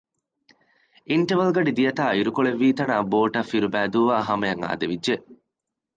އިންޓަވަލް ގަޑި ދިޔަތާ އިރުކޮޅެއް ވީތަނާ ބޯޓަށް ފިރުބަނއިދޫ އާ ހަމައަށް އާދެވިއްޖެ